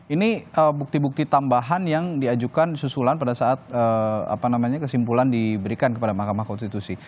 ini bukti bukti tambahan yang diajukan susulan pada saat kesimpulan diberikan kepada mahkamah konstitusi